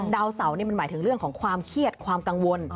ดาวเสานี่มันหมายถึงเรื่องของความเครียดความกังวล